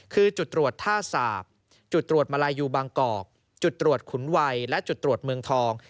คือจุดตรวจท่าสาปจุดตรวจมาลายูบางกอกจุดตรวจขุนวัยและจุดตรวจเมืองทอง